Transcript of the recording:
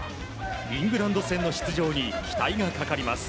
イングランド戦の出場に期待がかかります。